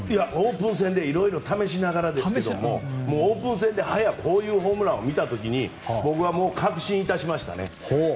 オープン戦でいろいろ試しながらですがオープン戦でこういうホームランを見た時に僕はもう確信致しました。